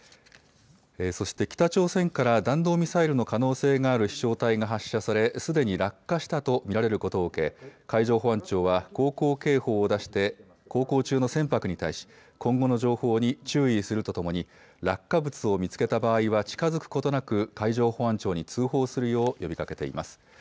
そして北朝鮮から弾道ミサイルの可能性がある飛しょう体が発射されすでに落下したと見られることを受け海上保安庁は航行警報を出して航行中の船舶に対し今後の情報に注意するとともに落下物を見つけた場合は近づくことなく海上保安庁に通報するよう呼びかけています。